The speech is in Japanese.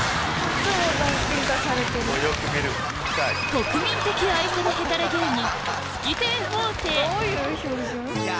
国民的愛されヘタレ芸人